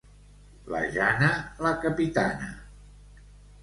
La Jana, la capitana.